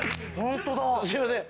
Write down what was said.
すいません。